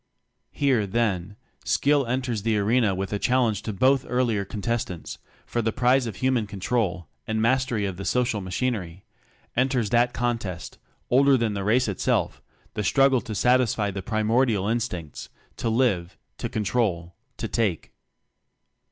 Here, then, Skill enters the arena with a challenge to both earlier con testantsfor the prize of human control, and mastery of the social machinery; enters that contest than the race itself the struggle satisfy the primordial instinct Live to Control to Take.